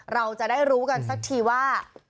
เราจะได้รู้กันสักทีว่า